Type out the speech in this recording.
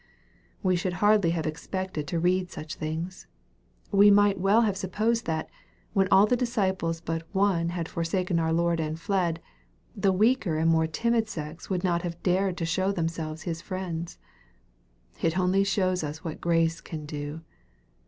We should hardly have expected to have read such things. We might well have supposed that, when all the disciples but one had forsaken our Lord and fled, the weaker and more timid sex would not have dared to show themselves His friends. It only shows us what grace can do.